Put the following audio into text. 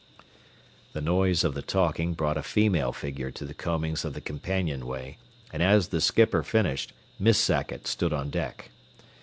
The noise of the talking brought a female figure to the combings of the companionway, and as the skipper finished, Miss Sackett stood on deck.